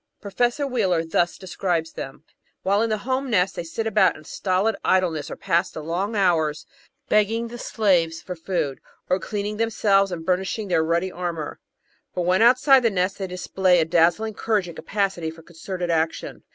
Professor Wheeler thus describes them: "While in the home nest they sit about in stolid idleness or pass the long hours begging the slaves for food, or cleaning themselves and burnishing their ruddy armour, but when outside the nest they display a dazzling courage and capacity for concerted action."